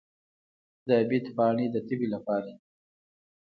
د بید پاڼې د تبې لپاره دي.